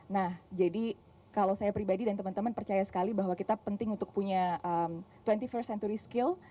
nah jadi kalau saya pribadi dan teman teman percaya sekali bahwa kita penting untuk punya dua puluh empat century skill